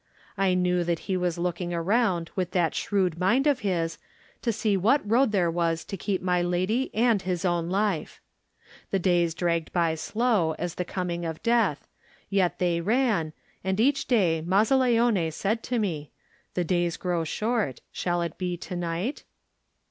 I knew that he was looking Digitized by Google THE NINTH MAN around with that shrewd mind of his to see what road there was to keep my lady and his own life. The days dragged by slow as the coming of death, yet they ran, and each day Mazzaleone said to me, "The days grow short; shall it be to night?"